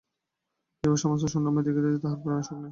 বিভা সমস্তই শূন্যময় দেখিতেছে, তাহার প্রাণে সুখ নাই।